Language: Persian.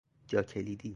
جا کلیدی